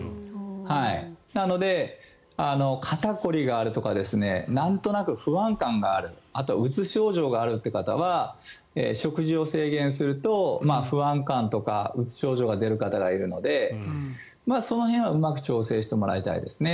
なので、肩凝りがあるとかなんとなく不安感があるあと、うつ症状があるという方は食事を制限すると不安感とかうつ症状が出る方がいるのでその辺はうまく調整してもらいたいです。